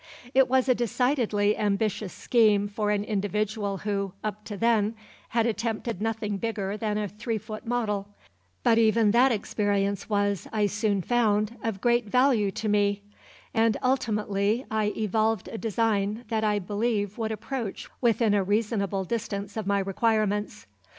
It was a decidedly ambitious scheme for an individual who, up to then, had attempted nothing bigger than a three foot model; but even that experience was, I soon found, of great value to me; and ultimately I evolved a design that I believed would approach within a reasonable distance of my requirements.